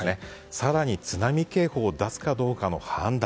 更に津波警報を出すかどうかの判断。